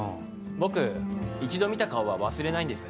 僕一度見た顔は忘れないんです。